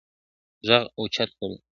ږغ اوچت کړی دی `